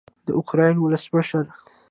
د اوکراین ولسمشر